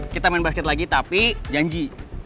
kita main basket lagi tapi janji